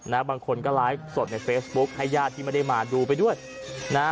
บางคนก็ไลฟ์สดในเฟซบุ๊คให้ญาติที่ไม่ได้มาดูไปด้วยนะฮะ